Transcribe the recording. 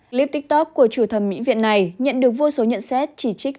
clip tiktok của chủ thẩm mỹ viện này nhận được vô số nhận xét chỉ trích